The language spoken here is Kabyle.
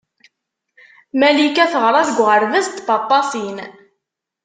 Malika teɣra deg uɣerbaz n Tpapasin.